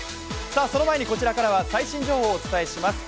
その前にこちらからは最新情報をお伝えします。